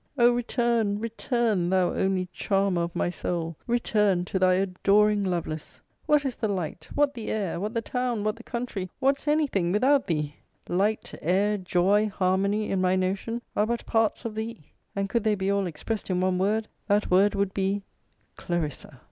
Oh! return, return, thou only charmer of my soul! return to thy adoring Lovelace! What is the light, what the air, what the town, what the country, what's any thing, without thee? Light, air, joy, harmony, in my notion, are but parts of thee; and could they be all expressed in one word, that word would be CLARISSA.